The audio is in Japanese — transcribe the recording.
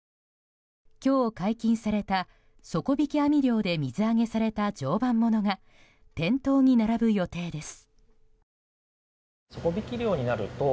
今日解禁された底引き網漁で水揚げされた常磐ものが店頭に並ぶ予定です。